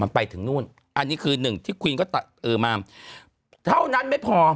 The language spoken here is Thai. มันไปถึงนู่นอันนี้คือหนึ่งที่ควีนก็เออมาเท่านั้นไม่พอ